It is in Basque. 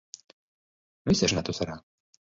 Noiz esnatu zara?